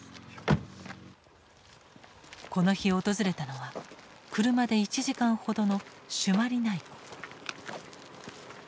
この日訪れたのは車で１時間ほどの朱鞠内湖。